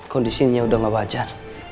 kondisinya udah gak wajar